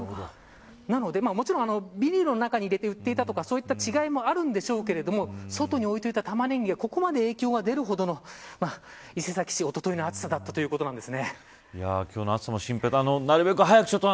なのでビニールに入れて売っていたとかそういう違いもあるんでしょうけれども外に置いておいた玉ねぎがここまで影響が出るほどの伊勢崎市そういう暑さだったということです。